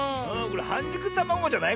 はんじゅくたまごじゃない？